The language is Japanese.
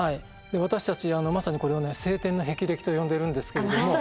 私たちまさにこれを「青天の霹靂」と呼んでるんですけれども。